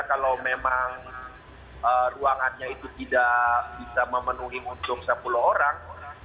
kalau memang ruangannya itu tidak bisa memenuhi untuk sepuluh orang